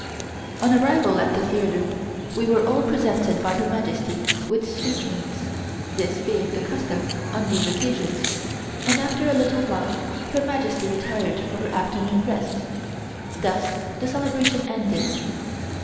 On arrival at the theatre we were all presented by Her Majesty with sweetmeats, this being the custom on these occasions, and after a little while Her Majesty retired for her afternoon rest. Thus the celebration ended.